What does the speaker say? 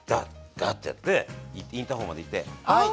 ガッ！ってやってインターホンまで行ってはい。